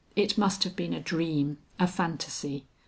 It must have been a dream, a phantasy.